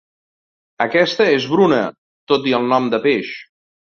Aquesta és bruna, tot i el nom de peix.